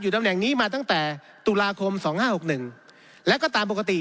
ตำแหน่งนี้มาตั้งแต่ตุลาคมสองห้าหกหนึ่งแล้วก็ตามปกติ